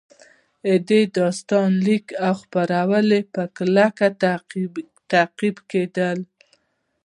د داستانونو لیکل او خپرول په کلکه تعقیب کېدل